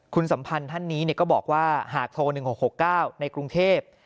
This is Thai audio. คุณสัมพันธ์ท่านนี้ก็บอกว่าหากโทร๑๖๖๙ในกรุงเทพ